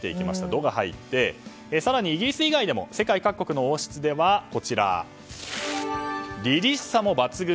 「ド」が入って更にイギリス以外にも世界各国の王室では凛々しさも抜群！